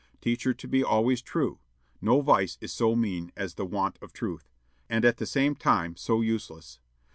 Teach her to be always true; no vice is so mean as the want of truth, and at the same time so useless.